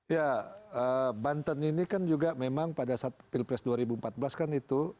ya banten ini kan juga memang pada saat pilpres dua ribu empat belas kan itu